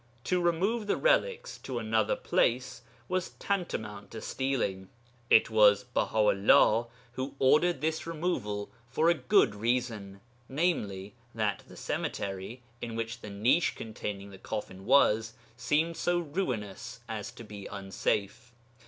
To remove the relics to another place was tantamount to stealing. It was Baha 'ullah who ordered this removal for a good reason, viz., that the cemetery, in which the niche containing the coffin was, seemed so ruinous as to be unsafe.